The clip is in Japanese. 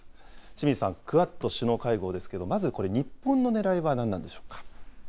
清水さん、クアッド首脳会合ですけれども、まずこれ、日本のねらいは何なんでしょうか。